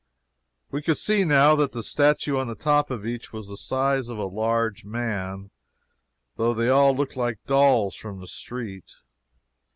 We could see now that the statue on the top of each was the size of a large man, though they all looked like dolls from the street.